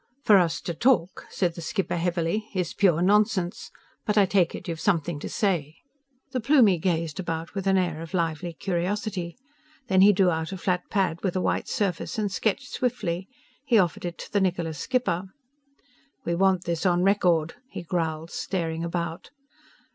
"For us to talk," said the skipper heavily, "is pure nonsense. But I take it you've something to say." The Plumie gazed about with an air of lively curiosity. Then he drew out a flat pad with a white surface and sketched swiftly. He offered it to the Niccola's skipper. "We want this on record," he growled, staring about.